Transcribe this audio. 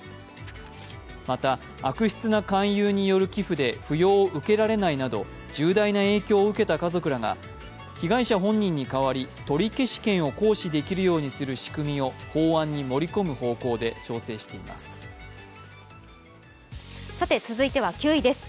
また、悪質な勧誘による寄付で扶養を受けられないなど重大な影響を受けた家族らが被害者本人に代わり取り消し権を行使できるようにする仕組みを法案に盛り込む方向で調整しています。